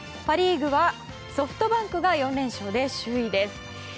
パ・リーグはソフトバンクが４連勝で首位です。